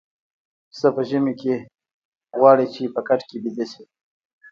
پسه په ژمي کې غواړي چې په کټ کې ويده شي.